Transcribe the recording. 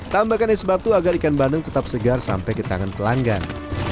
tambahkan es batu agar ikan bandeng tetap segar sampai ke tangan pelanggan